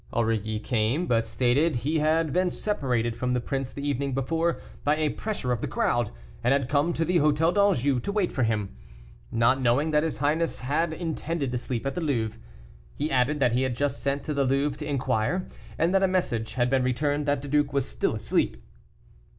Aurilly came, but stated he had been separated from the prince the evening before by a pressure of the crowd, and had come to the Hôtel d'Anjou to wait for him, not knowing that his highness had intended to sleep at the Louvre. He added that he had just sent to the Louvre to inquire, and that a message had been returned that the duke was still asleep.